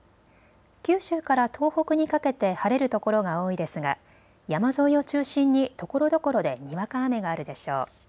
九州から東北にかけて晴れる所が多いですが山沿いを中心にところどころでにわか雨があるでしょう。